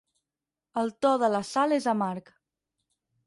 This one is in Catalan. El to de la Sal és amarg.